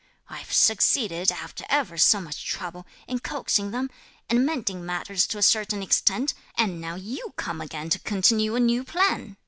I've succeeded, after ever so much trouble, in coaxing them, and mending matters to a certain extent, and now you come again to continue a new plan.